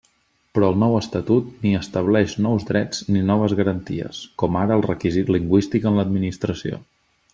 Però el nou Estatut ni estableix nous drets ni noves garanties, com ara el requisit lingüístic en l'Administració.